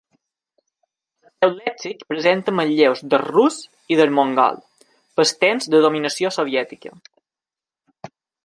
El seu lèxic presenta manlleus del rus i del mongol, pel temps de dominació soviètica.